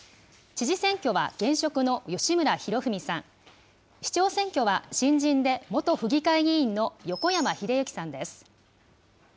知事選挙は現職の吉村洋文さん、市長選挙は、新人で元府議会議員の横山英幸さんです。